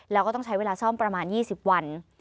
แล้วก็ต้องใช้เวลาซ่อมประมาณ๒๐วัน